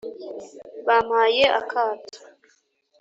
bampaye akato